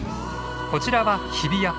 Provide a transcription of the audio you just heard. こちらは日比谷。